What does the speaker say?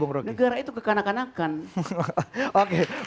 negara itu kekanakan kanakan